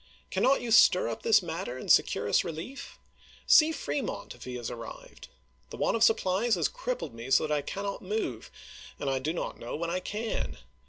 Cannot you stir up this matter and secure us relief 1 See Fremont, if he has arrived. The want of supplies Lyon to ^^s crippled me so that I cannot move, and I do jSyiS'i. not know when I can.